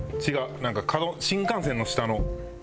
なんか角新幹線の下の。